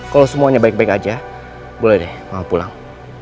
kalau semuanya baik baik aja boleh deh mau pulang